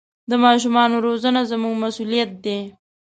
د ماشومانو روزنه زموږ مسوولیت دی.